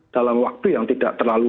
dalam waktu yang tidak terlalu